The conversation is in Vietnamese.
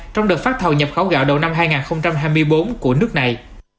trong đợt phát thầu nhập khẩu gạo đầu năm hai nghìn hai mươi bốn của nước này